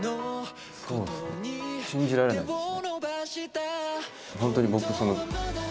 信じられないですね。